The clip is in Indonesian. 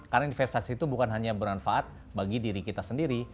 karena investasi itu bukan hanya bermanfaat bagi diri kita sendiri